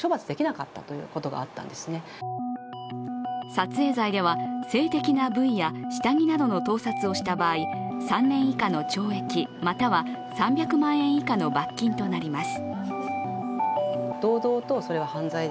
撮影罪では、性的な部位や下着などの盗撮をした場合、３年以下の懲役、または３００万円以下の罰金となります。